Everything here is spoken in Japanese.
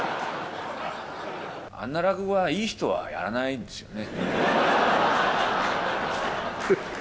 あんな落語はいい人はやらないですよね。